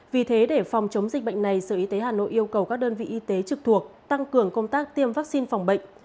vì thế để phòng chống dịch bệnh này sở y tế hà nội yêu cầu các đơn vị y tế trực thuộc tăng cường công tác tiêm vaccine phòng bệnh